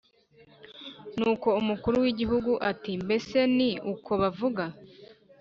nuko umukuru w'igihugu ati "mbese ni uko bavuga?